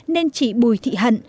nên chị bùi thị hận